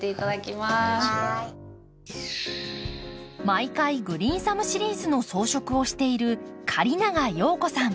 毎回「グリーンサムシリーズ」の装飾をしている狩長陽子さん。